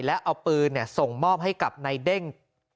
แล้วเอาปืนส่งมอบให้กับนายเด้ง